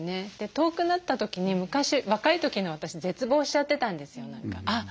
遠くなった時に昔若い時の私絶望しちゃってたんですよ何か。